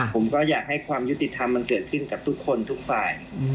ผมก็อยากให้ความยุติธรรมมันเกิดขึ้นกับทุกคนทุกฝ่าย